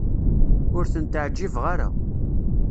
Ur tent-ɛjibeɣ ara.